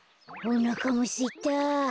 おなかもすいた。